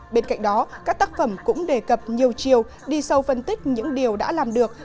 bên cạnh đó các tác phẩm cũng đề cập nhiều chiều đi sâu phân tích những điều đã làm được